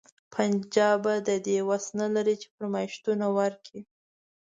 پنجاب به د دې وس نه لري چې فرمایشونه ورکړي.